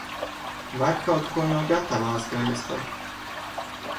Var kaut ko no gatavās gaļas tad.